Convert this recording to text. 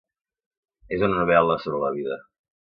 És una novel·la sobre la vida.